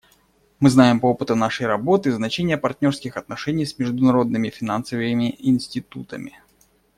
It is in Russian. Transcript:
Мы знаем по опыту нашей работы значение партнерских отношений с международными финансовыми институтами.